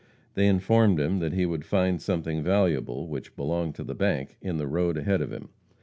They informed him that he would find something valuable, which belonged to the bank, in the road ahead of him.